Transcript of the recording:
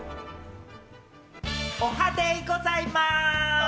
おはデイございます！